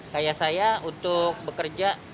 kayak saya untuk bekerja